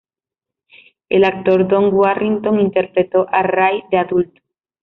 El actor Don Warrington interpretó a Ray de adulto.